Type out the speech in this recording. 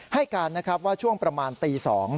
ให้การนะครับว่าช่วงประมาณตี๒